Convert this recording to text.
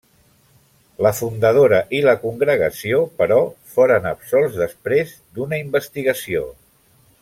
La fundadora i la congregació, però, foren absolts després d'una investigació.